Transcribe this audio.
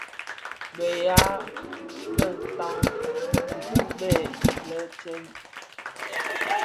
Beya bë ndhaň ukibèè lè tsèn.